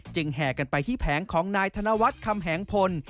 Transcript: แห่กันไปที่แผงของนายธนวัฒน์คำแหงพล